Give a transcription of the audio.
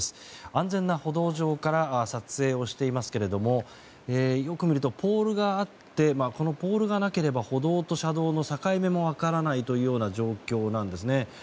安全な歩道上から撮影をしていますけれどもよく見るとポールがあってこのポールがなければ歩道と車道の境目も分からないという状況なんですね。